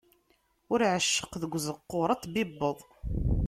Ur ɛecceq deg uzeqquṛ, ad t-tbibbeḍ.